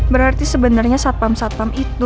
berarti sebenarnya sapam sapam itu